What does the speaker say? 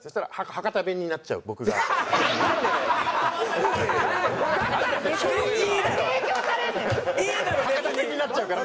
博多弁になっちゃうから。